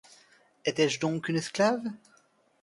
Étais-je donc une esclave ?